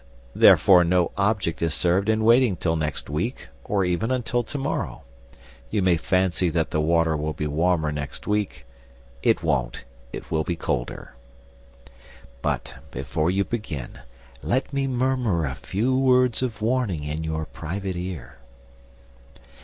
Therefore no object is served in waiting till next week, or even until to morrow. You may fancy that the water will be warmer next week. It won't. It will be colder. But before you begin, let me murmur a few words of warning in your private ear.